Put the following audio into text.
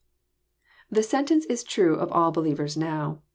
199 The sentence is true of all believers now.